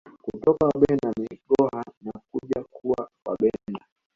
Kutoka Wabena Migoha na kuja kuwa Wabena